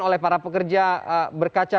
oleh para pekerja berkaca